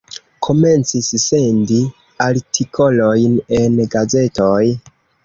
Komencis sendi artikolojn en gazetoj.